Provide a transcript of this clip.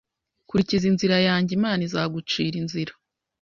Kurikiza inzira yanjye imana izagucira inzira